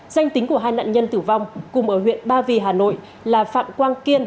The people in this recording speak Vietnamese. danh tính của hai nạn nhân tử vong cùng ở huyện ba vì hà nội là phạm quang kiên